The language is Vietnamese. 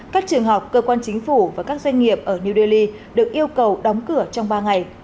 các trường học cơ quan chính phủ và các doanh nghiệp ở new delhi được yêu cầu đóng cửa trong ba ngày